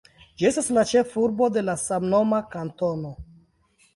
Ĝi estas la ĉefurbo de la samnoma kantono.